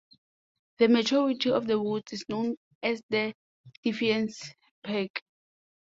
The majority of the route is known as the Defiance Pike.